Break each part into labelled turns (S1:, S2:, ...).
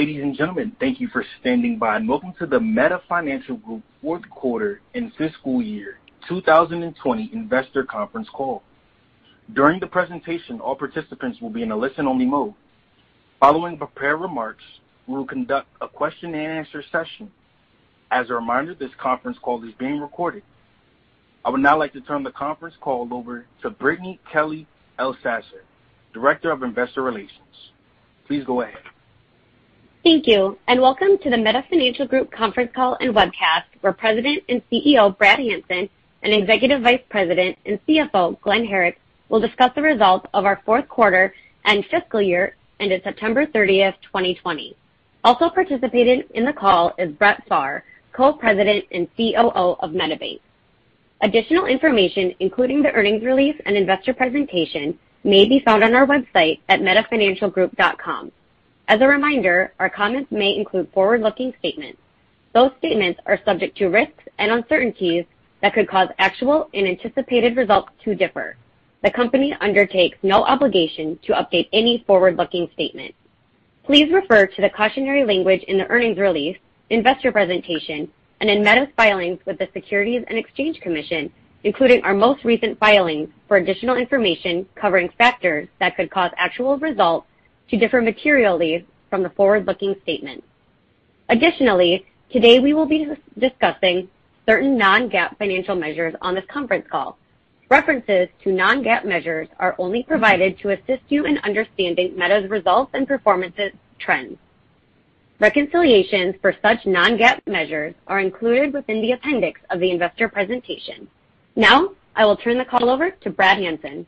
S1: Ladies and gentlemen, thank you for standing by and welcome to the Meta Financial Group fourth quarter and fiscal year 2020 investor conference call. During the presentation, all participants will be in a listen-only mode. Following prepared remarks, we will conduct a question and answer session. As a reminder, this conference call is being recorded. I would now like to turn the conference call over to Brittany Kelley Elsasser, Director of Investor Relations. Please go ahead.
S2: Thank you. Welcome to the Meta Financial Group conference call and webcast where President and CEO, Brad Hanson, and Executive Vice President and CFO, Glen Herrick, will discuss the results of our fourth quarter and fiscal year ended September 30th, 2020. Also participating in the call is Brett Pharr, Co-President and COO of MetaBank. Additional information, including the earnings release and investor presentation, may be found on our website at metafinancialgroup.com. As a reminder, our comments may include forward-looking statements. Those statements are subject to risks and uncertainties that could cause actual and anticipated results to differ. The company undertakes no obligation to update any forward-looking statement. Please refer to the cautionary language in the earnings release, investor presentation, and in Meta's filings with the Securities and Exchange Commission, including our most recent filings for additional information covering factors that could cause actual results to differ materially from the forward-looking statements. Additionally, today we will be discussing certain non-GAAP financial measures on this conference call. References to non-GAAP measures are only provided to assist you in understanding Meta's results and performance trends. Reconciliations for such non-GAAP measures are included within the appendix of the investor presentation. Now, I will turn the call over to Brad Hanson.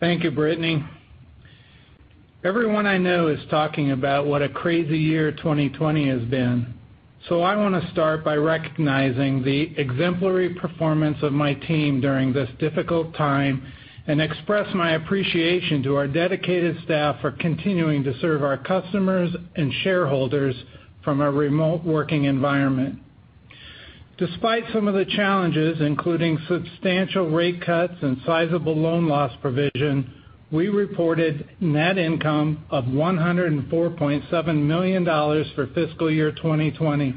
S3: Thank you, Brittany. Everyone I know is talking about what a crazy year 2020 has been. I want to start by recognizing the exemplary performance of my team during this difficult time, and express my appreciation to our dedicated staff for continuing to serve our customers and shareholders from a remote working environment. Despite some of the challenges, including substantial rate cuts and sizable loan loss provision, we reported net income of $104.7 million for fiscal year 2020,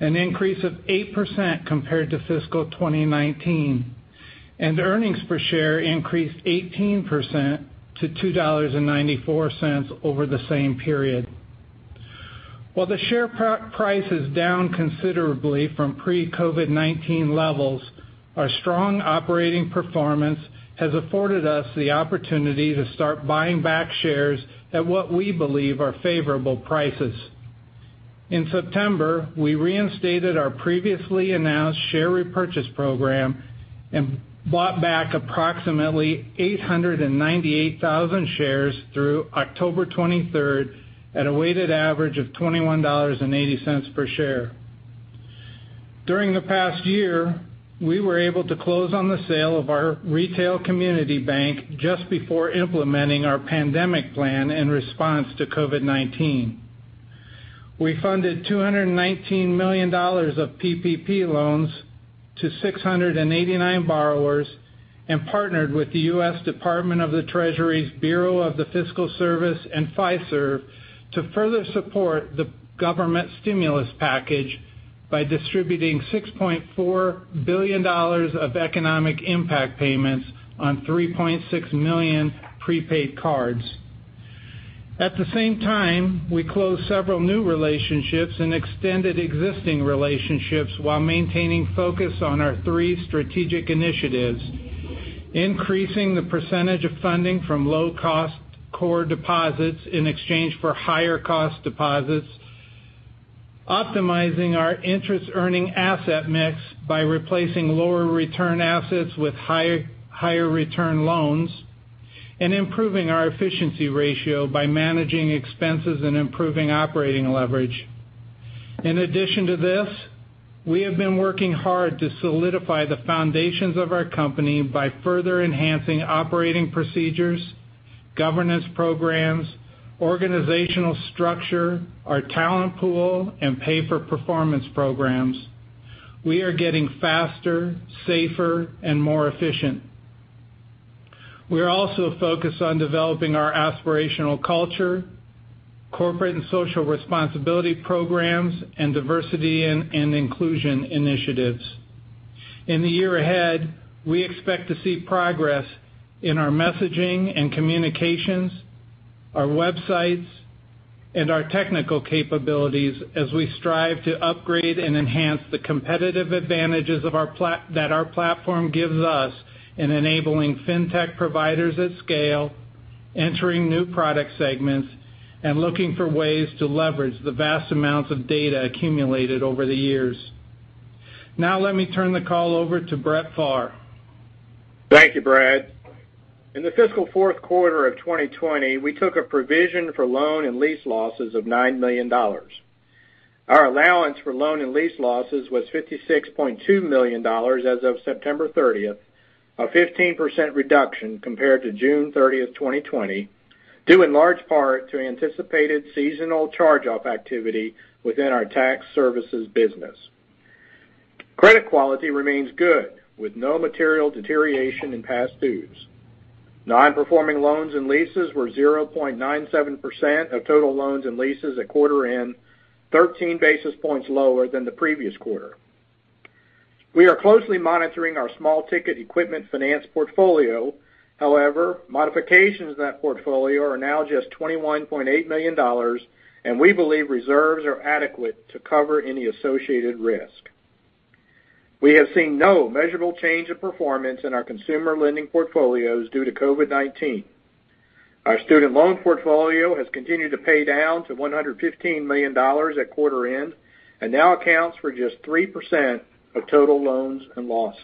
S3: an increase of 8% compared to fiscal 2019. Earnings per share increased 18% to $2.94 over the same period. While the share price is down considerably from pre-COVID-19 levels, our strong operating performance has afforded us the opportunity to start buying back shares at what we believe are favorable prices. In September, we reinstated our previously announced share repurchase program and bought back approximately 898,000 shares through October 23rd at a weighted average of $21.80 per share. During the past year, we were able to close on the sale of our retail community bank just before implementing our pandemic plan in response to COVID-19. We funded $219 million of PPP loans to 689 borrowers and partnered with the U.S. Department of the Treasury's Bureau of the Fiscal Service and Fiserv to further support the government stimulus package by distributing $6.4 billion of economic impact payments on 3.6 million prepaid cards. At the same time, we closed several new relationships and extended existing relationships while maintaining focus on our three strategic initiatives. Increasing the percentage of funding from low-cost core deposits in exchange for higher cost deposits, optimizing our interest earning asset mix by replacing lower return assets with higher return loans, and improving our efficiency ratio by managing expenses and improving operating leverage. In addition to this, we have been working hard to solidify the foundations of our company by further enhancing operating procedures, governance programs, organizational structure, our talent pool, and pay for performance programs. We are getting faster, safer, and more efficient. We're also focused on developing our aspirational culture, corporate and social responsibility programs, and diversity and inclusion initiatives. In the year ahead, we expect to see progress in our messaging and communications, our websites, and our technical capabilities as we strive to upgrade and enhance the competitive advantages that our platform gives us in enabling fintech providers at scale, entering new product segments, and looking for ways to leverage the vast amounts of data accumulated over the years. Let me turn the call over to Brett Pharr.
S4: Thank you, Brad. In the fiscal fourth quarter of 2020, we took a provision for loan and lease losses of $9 million. Our allowance for loan and lease losses was $56.2 million as of September 30th, a 15% reduction compared to June 30th, 2020, due in large part to anticipated seasonal charge-off activity within our tax services business. Credit quality remains good, with no material deterioration in past dues. Non-performing loans and leases were 0.97% of total loans and leases at quarter end, 13 basis points lower than the previous quarter. We are closely monitoring our small-ticket equipment finance portfolio. Modifications to that portfolio are now just $21.8 million, and we believe reserves are adequate to cover any associated risk. We have seen no measurable change in performance in our consumer lending portfolios due to COVID-19. Our student loan portfolio has continued to pay down to $115 million at quarter end and now accounts for just 3% of total loans and losses.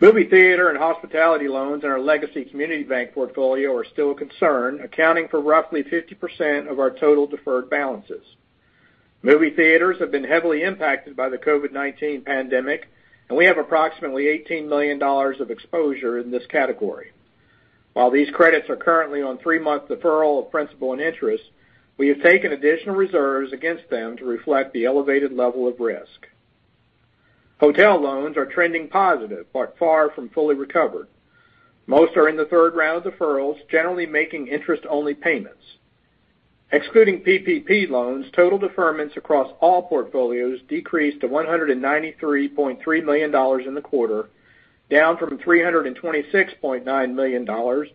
S4: Movie theater and hospitality loans in our legacy community bank portfolio are still a concern, accounting for roughly 50% of our total deferred balances. Movie theaters have been heavily impacted by the COVID-19 pandemic, and we have approximately $18 million of exposure in this category. While these credits are currently on three-month deferral of principal and interest, we have taken additional reserves against them to reflect the elevated level of risk. Hotel loans are trending positive but far from fully recovered. Most are in the third round of deferrals, generally making interest-only payments. Excluding PPP loans, total deferments across all portfolios decreased to $193.3 million in the quarter, down from $326.9 million,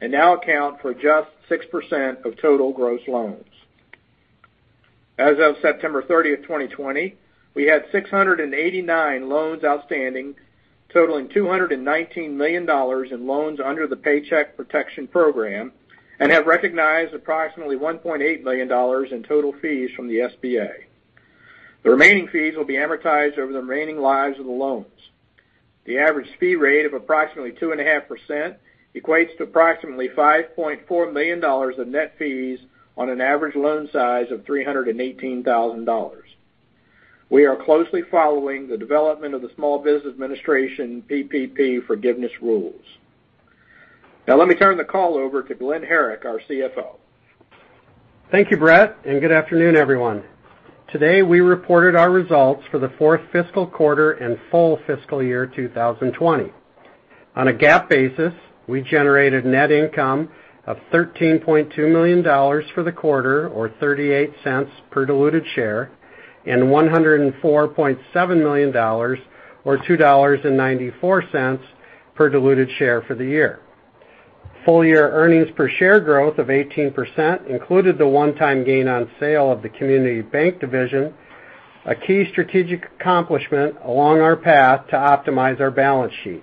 S4: and now account for just 6% of total gross loans. As of September 30, 2020, we had 689 loans outstanding, totaling $219 million in loans under the Paycheck Protection Program, and have recognized approximately $1.8 million in total fees from the SBA. The remaining fees will be amortized over the remaining lives of the loans. The average fee rate of approximately 2.5% equates to approximately $5.4 million in net fees on an average loan size of $318,000. We are closely following the development of the Small Business Administration PPP forgiveness rules. Now, let me turn the call over to Glen Herrick, our CFO.
S5: Thank you, Brett, and good afternoon, everyone. Today, we reported our results for the fourth fiscal quarter and full fiscal year 2020. On a GAAP basis, we generated net income of $13.2 million for the quarter, or $0.38 per diluted share, and $104.7 million or $2.94 per diluted share for the year. Full year earnings per share growth of 18% included the one-time gain on sale of the community bank division, a key strategic accomplishment along our path to optimize our balance sheet.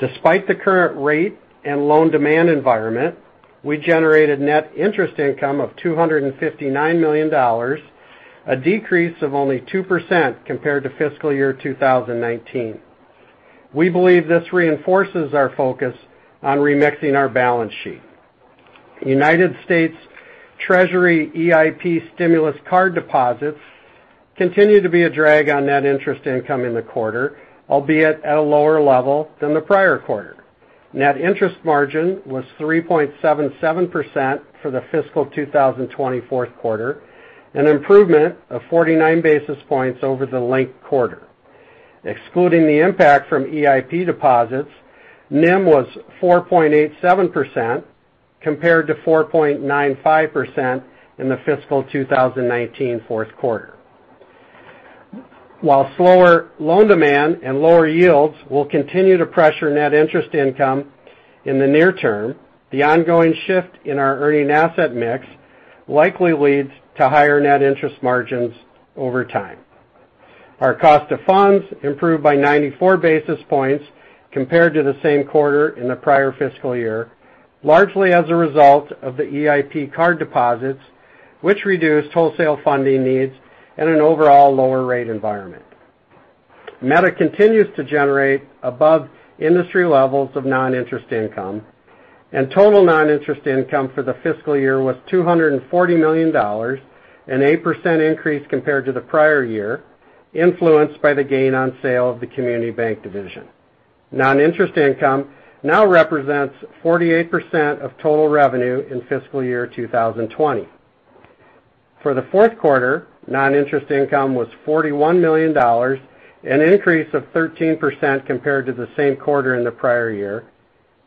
S5: Despite the current rate and loan demand environment, we generated net interest income of $259 million, a decrease of only 2% compared to fiscal year 2019. We believe this reinforces our focus on remixing our balance sheet. United States Treasury EIP stimulus card deposits continue to be a drag on net interest income in the quarter, albeit at a lower level than the prior quarter. Net interest margin was 3.77% for the fiscal 2020 fourth quarter, an improvement of 49 basis points over the linked quarter. Excluding the impact from EIP deposits, NIM was 4.87%, compared to 4.95% in the fiscal 2019 fourth quarter. While slower loan demand and lower yields will continue to pressure net interest income in the near term, the ongoing shift in our earning asset mix likely leads to higher net interest margins over time. Our cost of funds improved by 94 basis points compared to the same quarter in the prior fiscal year, largely as a result of the EIP card deposits, which reduced wholesale funding needs and an overall lower rate environment. Meta continues to generate above-industry levels of non-interest income. Total non-interest income for the fiscal year was $240 million, an 8% increase compared to the prior year, influenced by the gain on sale of the community bank division. Non-interest income now represents 48% of total revenue in fiscal year 2020. For the fourth quarter, non-interest income was $41 million, an increase of 13% compared to the same quarter in the prior year.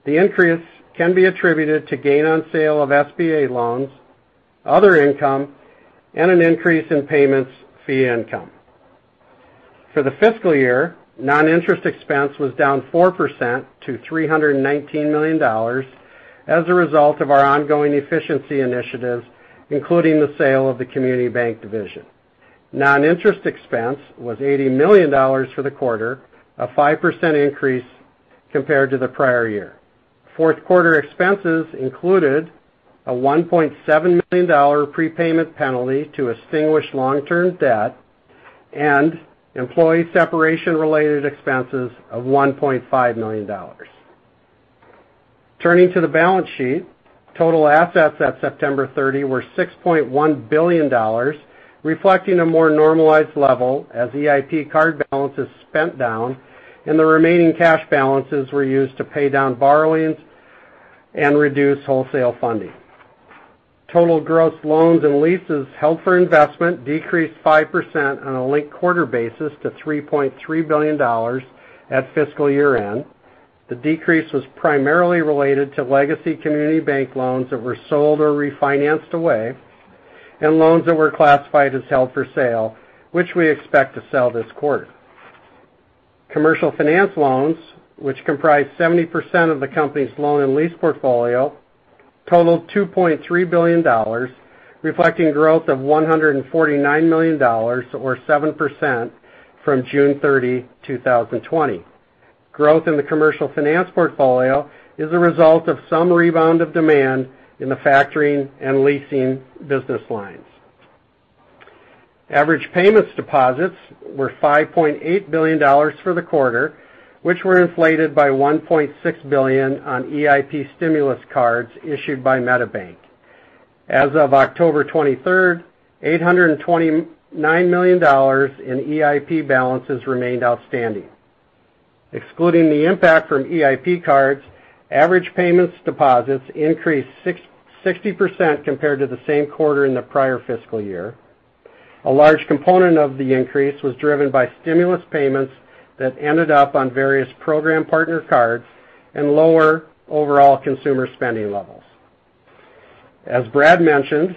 S5: The increase can be attributed to gain on sale of SBA loans, other income, and an increase in payments fee income. For the fiscal year, non-interest expense was down 4% to $319 million as a result of our ongoing efficiency initiatives, including the sale of the community bank division. Non-interest expense was $80 million for the quarter, a 5% increase compared to the prior year. Fourth quarter expenses included a $1.7 million prepayment penalty to extinguish long-term debt and employee separation-related expenses of $1.5 million. Turning to the balance sheet, total assets at September 30 were $6.1 billion, reflecting a more normalized level as EIP card balances spent down and the remaining cash balances were used to pay down borrowings and reduce wholesale funding. Total gross loans and leases held for investment decreased 5% on a linked quarter basis to $3.3 billion at fiscal year-end. The decrease was primarily related to legacy community bank loans that were sold or refinanced away, and loans that were classified as held for sale, which we expect to sell this quarter. Commercial Finance loans, which comprise 70% of the company's loan and lease portfolio, totaled $2.3 billion, reflecting growth of $149 million, or 7%, from June 30, 2020. Growth in the Commercial Finance portfolio is a result of some rebound of demand in the factoring and leasing business lines. Average payments deposits were $5.8 billion for the quarter, which were inflated by $1.6 billion on EIP stimulus cards issued by MetaBank. As of October 23rd, $829 million in EIP balances remained outstanding. Excluding the impact from EIP cards, average payments deposits increased 60% compared to the same quarter in the prior fiscal year. A large component of the increase was driven by stimulus payments that ended up on various program partner cards and lower overall consumer spending levels. As Brad mentioned,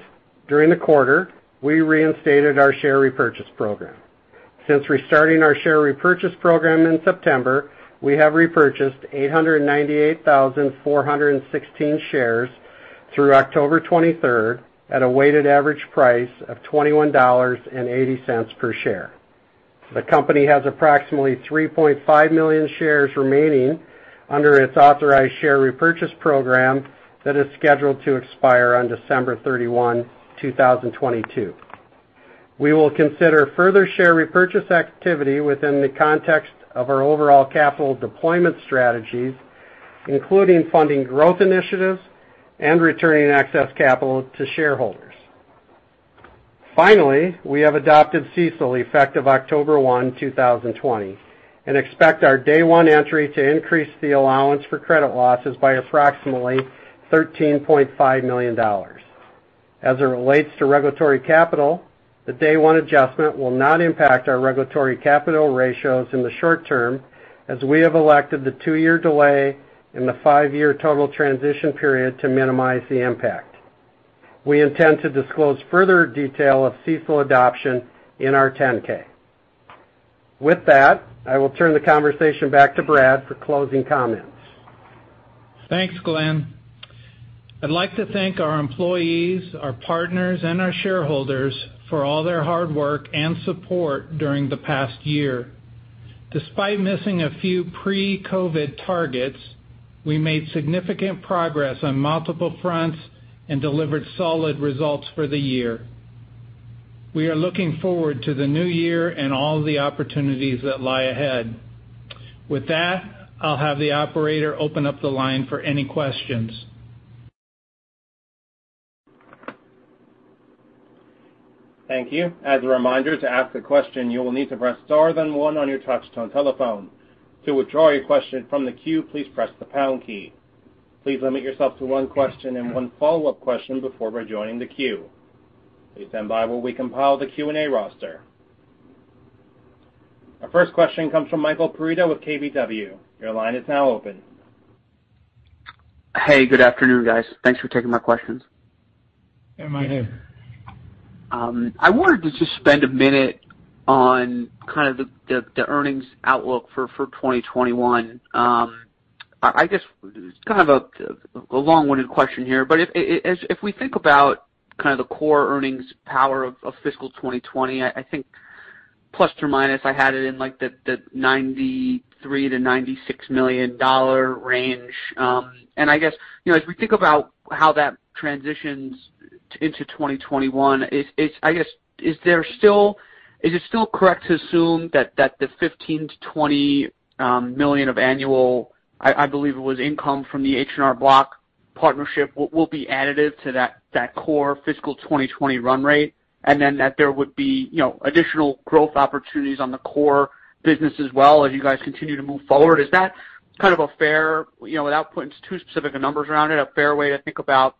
S5: during the quarter, we reinstated our share repurchase program. Since restarting our share repurchase program in September, we have repurchased 898,416 shares through October 23rd at a weighted average price of $21.80 per share. The company has approximately 3.5 million shares remaining under its authorized share repurchase program that is scheduled to expire on December 31, 2022. We will consider further share repurchase activity within the context of our overall capital deployment strategies, including funding growth initiatives and returning excess capital to shareholders. We have adopted CECL effective October 1, 2020 and expect our day one entry to increase the allowance for credit losses by approximately $13.5 million. As it relates to regulatory capital, the day one adjustment will not impact our regulatory capital ratios in the short term, as we have elected the two-year delay and the five-year total transition period to minimize the impact. We intend to disclose further detail of CECL adoption in our 10-K. With that, I will turn the conversation back to Brad for closing comments.
S3: Thanks, Glen. I'd like to thank our employees, our partners, and our shareholders for all their hard work and support during the past year. Despite missing a few pre-COVID targets, we made significant progress on multiple fronts and delivered solid results for the year. We are looking forward to the new year and all the opportunities that lie ahead. With that, I'll have the operator open up the line for any questions.
S1: Thank you. As a reminder, to ask a question you will need to press star then one on your touch-tone telephone. To withdraw your question from the queue please press the pound key. Please limit yourself to one question and one follow-up question before joining the queue. Please standby while we compile the Q&A roster. Our first question comes from Michael Perito with KBW. Your line is now open.
S6: Hey, good afternoon, guys. Thanks for taking my questions.
S3: Hey, Michael.
S6: I wanted to just spend a minute on kind of the earnings outlook for 2021. I guess it's kind of a long-winded question here, but if we think about kind of the core earnings power of fiscal 2020, I think ±, I had it in like the $93 million-$96 million range. I guess as we think about how that transitions into 2021, is it still correct to assume that the $15 million-$20 million of annual, I believe it was income from the H&R Block partnership, will be additive to that core fiscal 2020 run rate, and then that there would be additional growth opportunities on the core business as well as you guys continue to move forward? Is that kind of a fair way to think about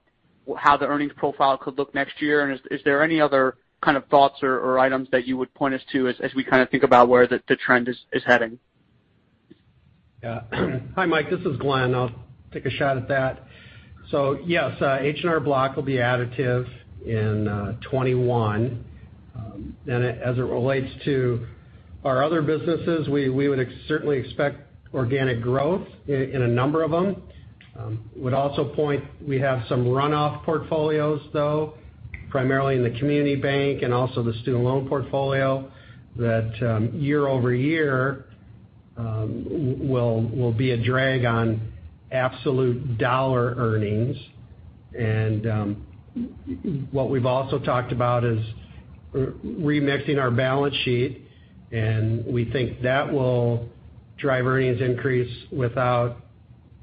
S6: how the earnings profile could look next year? Is there any other kind of thoughts or items that you would point us to as we kind of think about where the trend is heading?
S5: Yeah. Hi, Mike, this is Glen. I'll take a shot at that. Yes, H&R Block will be additive in 2021. As it relates to our other businesses, we would certainly expect organic growth in a number of them. Would also point, we have some runoff portfolios, though, primarily in the community bank and also the student loan portfolio that year-over-year will be a drag on absolute dollar earnings. What we've also talked about is remixing our balance sheet, and we think that will drive earnings increase without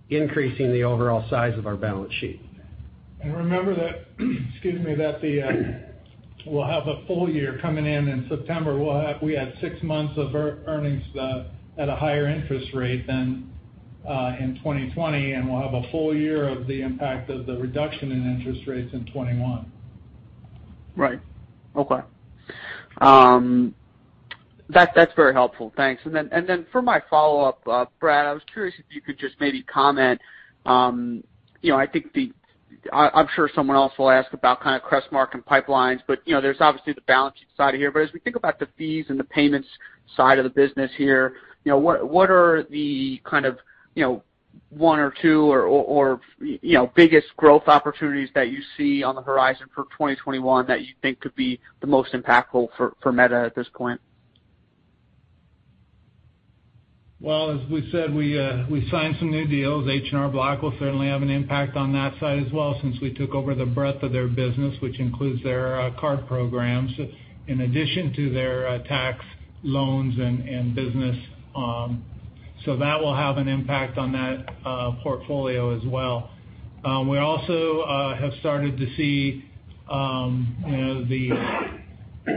S5: increasing the overall size of our balance sheet.
S3: Remember that excuse me, that we'll have a full year coming in in September. We had six months of earnings at a higher interest rate than in 2020, and we'll have a full year of the impact of the reduction in interest rates in 2021.
S6: Right. Okay. That's very helpful. Thanks. Then for my follow-up, Brad, I was curious if you could just maybe comment, I'm sure someone else will ask about Crestmark and pipelines, but there's obviously the balancing side here. As we think about the fees and the payments side of the business here, what are the kind of one or two or biggest growth opportunities that you see on the horizon for 2021 that you think could be the most impactful for Meta at this point?
S3: As we said, we signed some new deals. H&R Block will certainly have an impact on that side as well, since we took over the breadth of their business, which includes their card programs, in addition to their tax loans and business. That will have an impact on that portfolio as well. We also have started to see the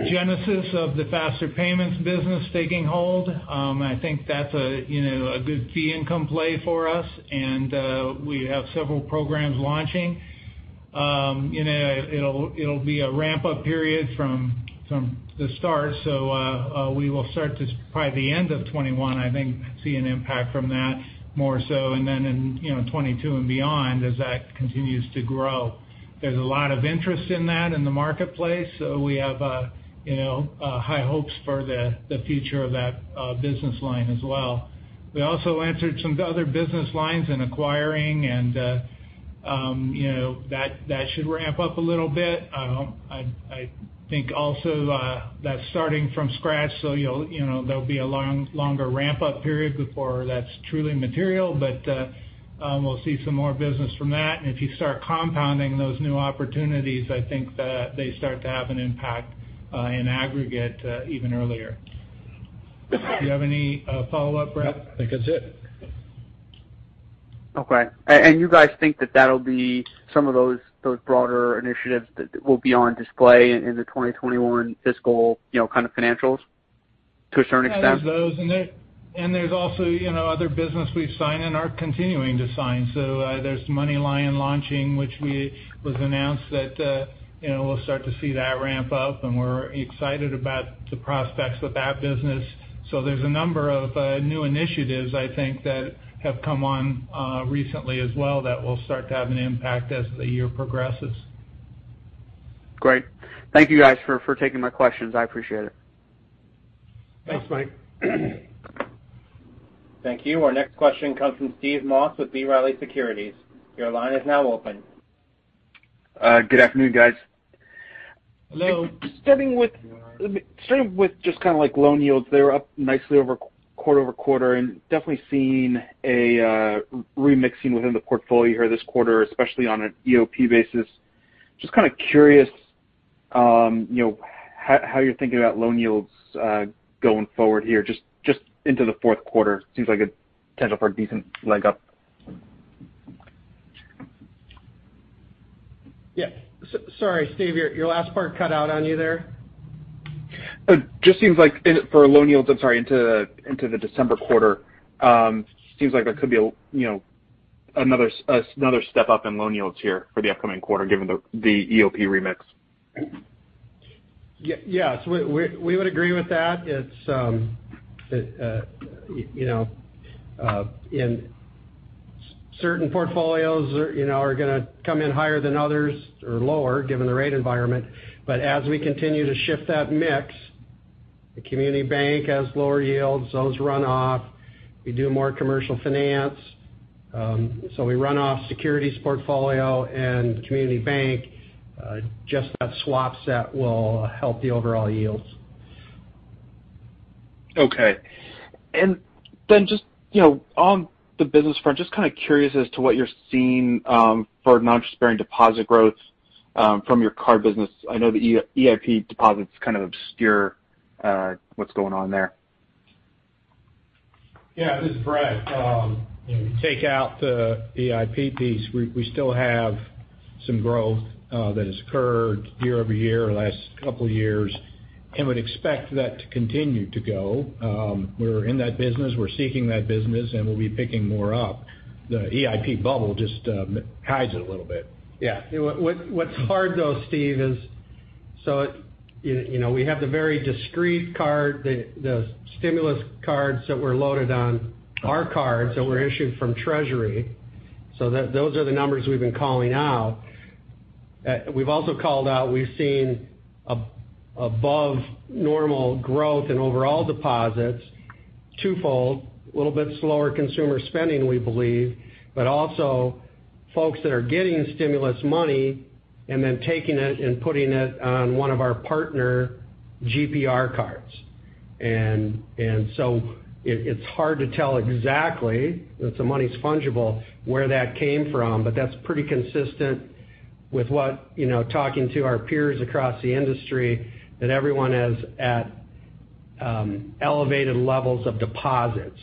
S3: genesis of the faster payments business taking hold. I think that's a good fee income play for us, and we have several programs launching. It'll be a ramp-up period from the start, so we will start to, probably the end of 2021, I think, see an impact from that more so, and then in 2022 and beyond, as that continues to grow. There's a lot of interest in that in the marketplace. We have high hopes for the future of that business line as well. We also entered some other business lines in acquiring, and that should ramp up a little bit. I think also that's starting from scratch, so there'll be a longer ramp-up period before that's truly material. We'll see some more business from that, and if you start compounding those new opportunities, I think that they start to have an impact in aggregate even earlier. Do you have any follow-up, Brett?
S4: No, I think that's it.
S6: Okay. You guys think that that'll be some of those broader initiatives that will be on display in the 2021 fiscal kind of financials to a certain extent?
S3: There's those, and there's also other business we've signed and are continuing to sign. There's MoneyLion launching, which was announced that we'll start to see that ramp up, and we're excited about the prospects with that business. There's a number of new initiatives, I think, that have come on recently as well that will start to have an impact as the year progresses.
S6: Great. Thank you guys for taking my questions. I appreciate it.
S3: Thanks, Mike.
S1: Thank you. Our next question comes from Steve Moss with B. Riley Securities. Your line is now open.
S7: Good afternoon, guys.
S3: Hello.
S7: Starting with just kind of like loan yields. They were up nicely quarter-over-quarter. Definitely seeing a remixing within the portfolio here this quarter, especially on an EOP basis. Just kind of curious how you're thinking about loan yields going forward here, into the fourth quarter. Seems like a potential for a decent leg up.
S3: Yeah. Sorry, Steve, your last part cut out on you there.
S7: It just seems like for loan yields into the December quarter, seems like there could be another step up in loan yields here for the upcoming quarter, given the EOP remix.
S3: Yes, we would agree with that. Certain portfolios are going to come in higher than others or lower, given the rate environment. As we continue to shift that mix, the community bank has lower yields. Those run off. We do more Commercial Finance. We run off securities portfolio and community bank. Just that swap set will help the overall yields.
S7: Okay. Just on the business front, just kind of curious as to what you're seeing for non-interest-bearing deposit growth from your card business. I know the EIP deposit's kind of obscure. What's going on there?
S3: Yeah, this is Brad. Take out the EIP piece. We still have some growth that has occurred year-over-year the last couple of years and would expect that to continue to go. We're in that business, we're seeking that business. We'll be picking more up. The EIP bubble just hides it a little bit. Yeah. What's hard, though, Steve, is we have the very discreet card, the stimulus cards that were loaded on our cards that were issued from Treasury. Those are the numbers we've been calling out. We've also called out we've seen above normal growth in overall deposits, twofold, a little bit slower consumer spending, we believe, also folks that are getting stimulus money and then taking it and putting it on one of our partner GPR cards. It's hard to tell exactly, the money's fungible, where that came from, but that's pretty consistent with talking to our peers across the industry that everyone is at elevated levels of deposits.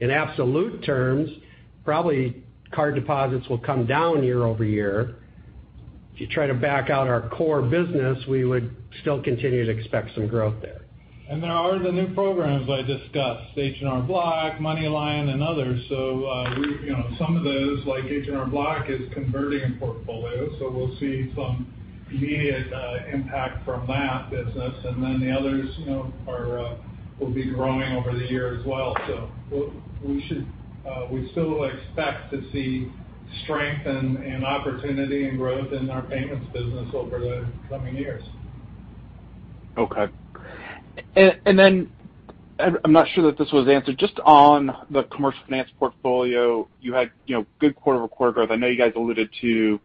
S3: In absolute terms, probably card deposits will come down year-over-year. If you try to back out our core business, we would still continue to expect some growth there. There are the new programs I discussed, H&R Block, MoneyLion, and others. Some of those, like H&R Block, is converting a portfolio, we'll see some immediate impact from that business. The others will be growing over the year as well. We still expect to see strength and opportunity and growth in our payments business over the coming years.
S7: Okay. I'm not sure that this was answered. Just on the Commercial Finance portfolio, you had good quarter-over-quarter growth. I know you guys alluded to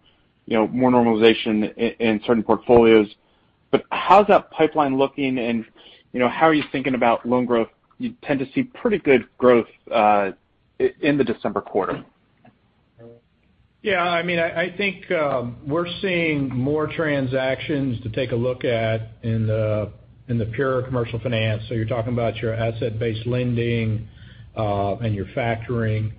S7: more normalization in certain portfolios. How's that pipeline looking and how are you thinking about loan growth? You tend to see pretty good growth in the December quarter.
S4: I think we're seeing more transactions to take a look at in the pure Commercial Finance. You're talking about your asset-based lending and your factoring.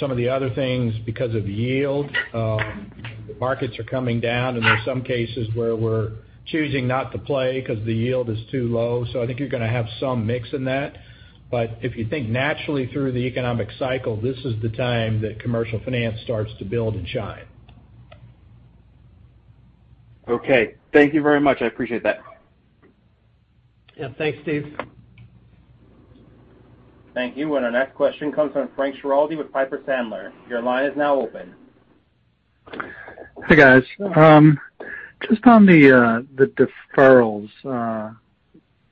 S4: Some of the other things, because of yield, the markets are coming down, and there's some cases where we're choosing not to play because the yield is too low. I think you're going to have some mix in that. If you think naturally through the economic cycle, this is the time that Commercial Finance starts to build and shine.
S7: Okay. Thank you very much. I appreciate that.
S3: Yeah. Thanks, Steve.
S1: Thank you. Our next question comes from Frank Schiraldi with Piper Sandler.
S8: Hey, guys. Just on the deferrals,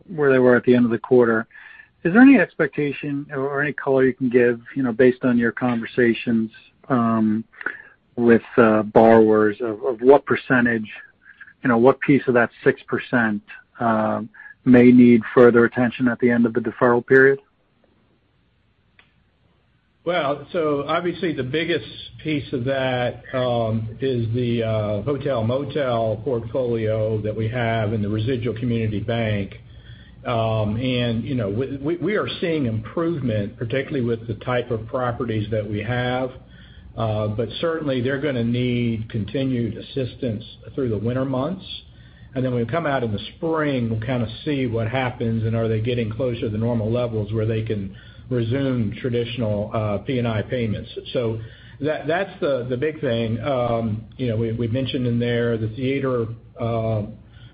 S8: where they were at the end of the quarter. Is there any expectation or any color you can give, based on your conversations with borrowers, of what percentage, what piece of that 6% may need further attention at the end of the deferral period?
S4: Obviously the biggest piece of that is the hotel-motel portfolio that we have in the residual community bank. We are seeing improvement, particularly with the type of properties that we have. Certainly, they're going to need continued assistance through the winter months. When we come out in the spring, we'll kind of see what happens, and are they getting closer to the normal levels where they can resume traditional P&I payments. That's the big thing. We mentioned in there the theater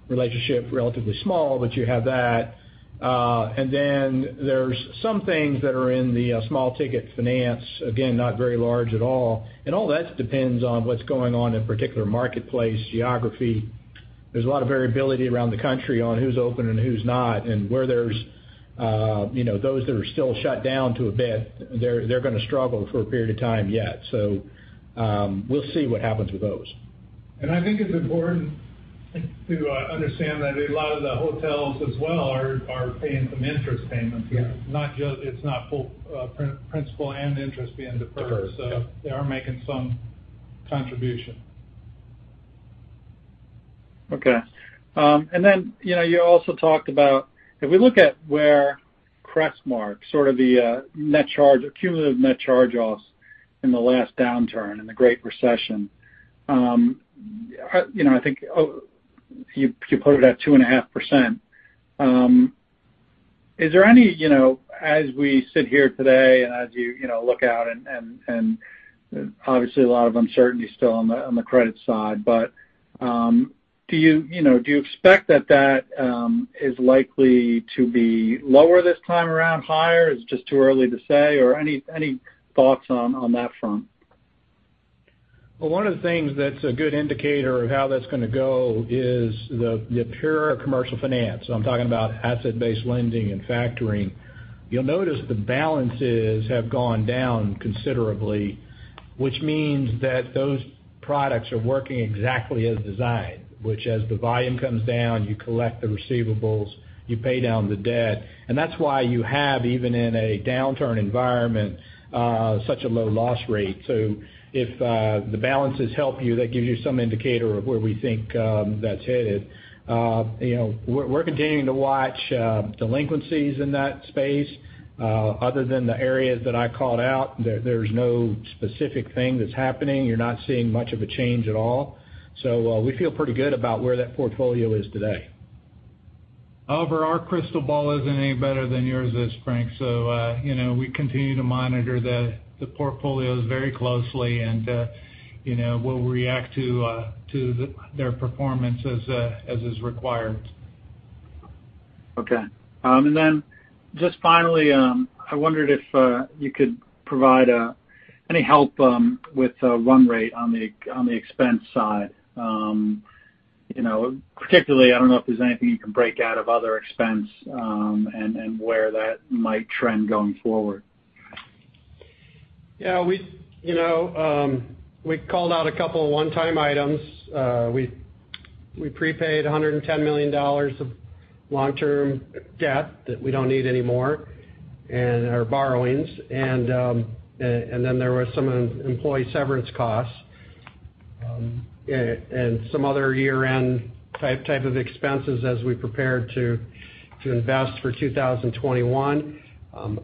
S4: relationship, relatively small, but you have that. There's some things that are in the small-ticket finance. Again, not very large at all. All that depends on what's going on in a particular marketplace, geography. There's a lot of variability around the country on who's open and who's not. Where there's those that are still shut down to a bit, they're going to struggle for a period of time yet. We'll see what happens with those.
S3: I think it's important to understand that a lot of the hotels as well are paying some interest payments here.
S4: Yeah.
S3: It's not full principal and interest being deferred.
S4: Deferred, yeah.
S3: They are making some contribution.
S8: Okay. You also talked about if we look at where Crestmark, sort of the cumulative net charge-offs in the last downturn, in the Great Recession. I think you put it at 2.5%. Is there any, as we sit here today and as you look out, and obviously a lot of uncertainty still on the credit side, do you expect that is likely to be lower this time around, higher? Is it just too early to say, or any thoughts on that front?
S3: One of the things that's a good indicator of how that's going to go is the pure Commercial Finance. I'm talking about asset-based lending and factoring. You'll notice the balances have gone down considerably, which means that those products are working exactly as designed. Which as the volume comes down, you collect the receivables, you pay down the debt. That's why you have, even in a downturn environment, such a low loss rate. If the balances help you, that gives you some indicator of where we think that's headed. We're continuing to watch delinquencies in that space. Other than the areas that I called out, there's no specific thing that's happening. You're not seeing much of a change at all. We feel pretty good about where that portfolio is today. Our crystal ball isn't any better than yours is, Frank. We continue to monitor the portfolios very closely and we'll react to their performance as is required.
S8: Okay. Just finally, I wondered if you could provide any help with the run rate on the expense side. Particularly, I don't know if there's anything you can break out of other expense, and where that might trend going forward.
S5: Yeah. We called out a couple of one-time items. We prepaid $110 million of long-term debt that we don't need anymore, and our borrowings. Then there was some employee severance costs and some other year-end type of expenses as we prepared to invest for 2021.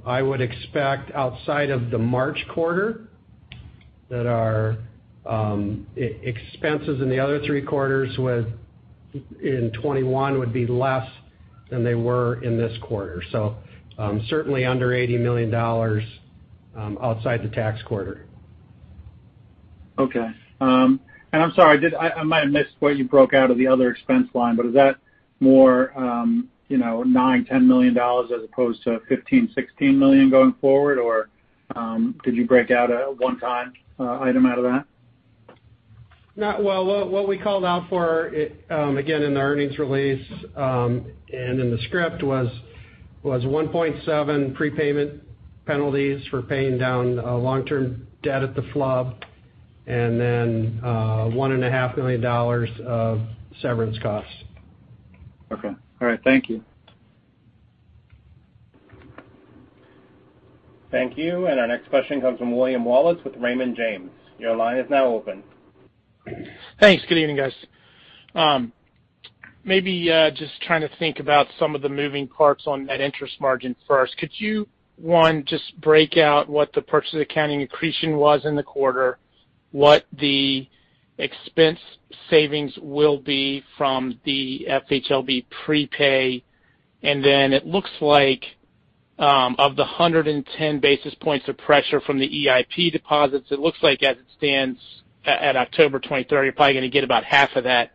S5: I would expect outside of the March quarter. That our expenses in the other three quarters in 2021 would be less than they were in this quarter. Certainly under $80 million outside the tax quarter.
S8: Okay. I'm sorry, I might have missed what you broke out of the other expense line, but is that more $9 million, $10 million as opposed to $15 million, $16 million going forward? Did you break out a one-time item out of that?
S5: No. Well, what we called out for, again, in the earnings release, and in the script, was $1.7 prepayment penalties for paying down long-term debt at the FHLB, and then $1.5 million of severance costs.
S8: Okay. All right. Thank you.
S1: Thank you. Our next question comes from William Wallace with Raymond James. Your line is now open.
S9: Thanks. Good evening, guys. Maybe just trying to think about some of the moving parts on that interest margin first. Could you, one, just break out what the purchase accounting accretion was in the quarter, what the expense savings will be from the FHLB prepay? Then it looks like of the 110 basis points of pressure from the EIP deposits, it looks like as it stands at October 2030, you're probably going to get about half of that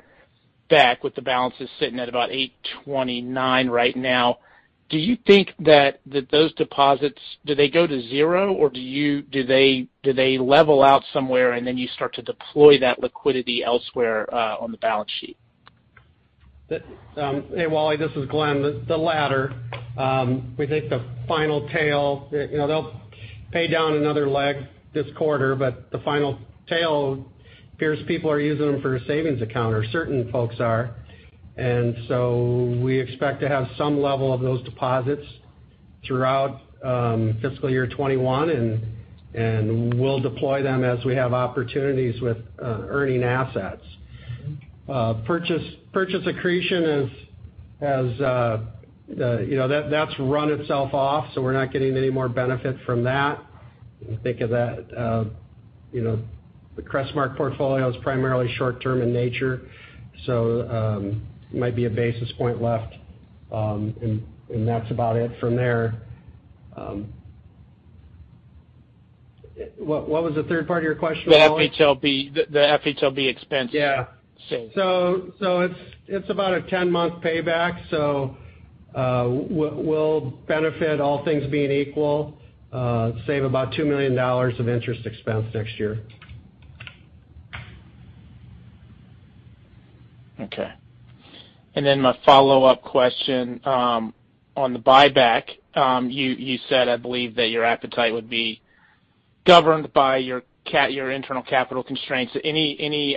S9: back with the balances sitting at about 829 right now. Do you think that those deposits, do they go to zero or do they level out somewhere and then you start to deploy that liquidity elsewhere on the balance sheet?
S5: Hey, Wally, this is Glen. The latter. We think the final tail they'll pay down another leg this quarter, but the final tail appears people are using them for a savings account, or certain folks are. We expect to have some level of those deposits throughout fiscal year 2021, and we'll deploy them as we have opportunities with earning assets. Purchase accretion, that's run itself off, so we're not getting any more benefit from that. Think of that, the Crestmark portfolio is primarily short-term in nature, so might be a basis point left, and that's about it from there. What was the third part of your question, Wally?
S9: The FHLB expense.
S5: Yeah.
S9: Save.
S5: It's about a 10-month payback, so we'll benefit, all things being equal, save about $2 million of interest expense next year.
S9: Okay. Then my follow-up question. On the buyback, you said, I believe, that your appetite would be governed by your internal capital constraints. Any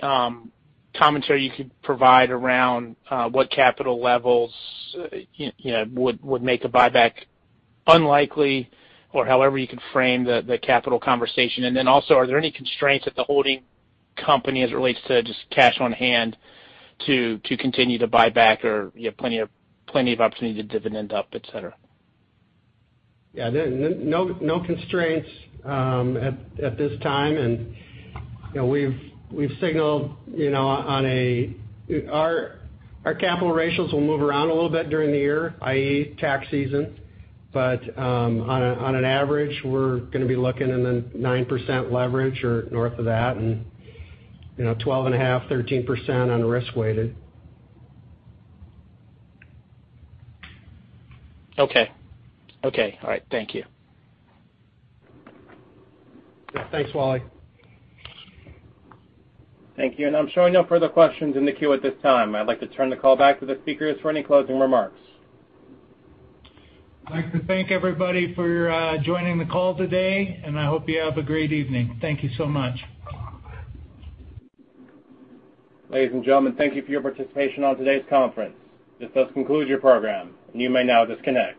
S9: commentary you could provide around what capital levels would make a buyback unlikely? However you could frame the capital conversation. Then also, are there any constraints at the holding company as it relates to just cash on hand to continue to buy back or you have plenty of opportunity to dividend up, et cetera?
S5: Yeah. No constraints at this time. We've signaled our capital ratios will move around a little bit during the year, i.e., tax season. On an average, we're going to be looking in the 9% leverage or north of that and 12.5%, 13% on risk-weighted.
S9: Okay. All right. Thank you.
S5: Thanks, Wally.
S1: Thank you. I'm showing no further questions in the queue at this time. I'd like to turn the call back to the speakers for any closing remarks.
S3: I'd like to thank everybody for joining the call today, and I hope you have a great evening. Thank you so much.
S1: Ladies and gentlemen, thank you for your participation on today's conference. This does conclude your program and you may now disconnect.